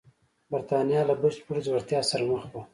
برېټانیا له بشپړې ځوړتیا سره مخ وه.